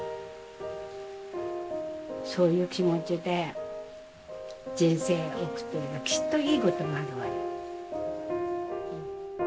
そういう気持ちで人生送ってればきっといいことがあるわよ。